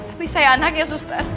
tapi saya anak ya suster